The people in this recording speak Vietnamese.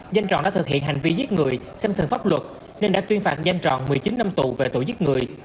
danh tròn đã thực hiện hành vi giết người xem thường pháp luật nên đã tuyên phạt danh tròn một mươi chín năm tù về tội giết người